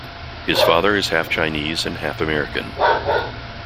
His father is half Chinese and half African.